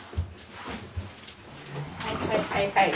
はいはいはいはい。